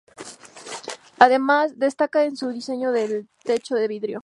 Además destaca en su diseño el techo de vidrio.